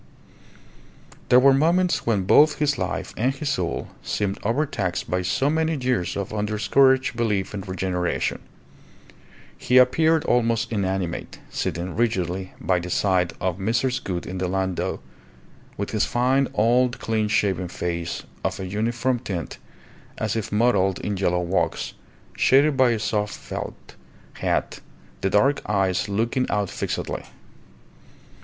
There were moments when both his life and his soul seemed overtaxed by so many years of undiscouraged belief in regeneration. He appeared almost inanimate, sitting rigidly by the side of Mrs. Gould in the landau, with his fine, old, clean shaven face of a uniform tint as if modelled in yellow wax, shaded by a soft felt hat, the dark eyes looking out fixedly.